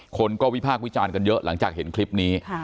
คนก็วิพากษ์วิจารณ์กันเยอะหลังจากเห็นคลิปนี้